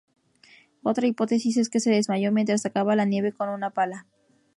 Otra hipótesis es que se desmayó mientras sacaba la nieve con una pala.